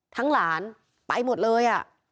ทั้งหลานไปหมดเลยอ่ะ